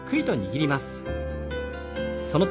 はい。